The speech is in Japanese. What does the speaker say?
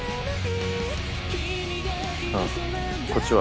ああこっちは。